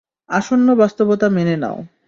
আসন্ন বাস্তবতা মেনে নাও।